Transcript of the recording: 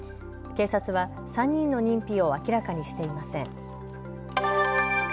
警察は３人の認否を明らかにしていません。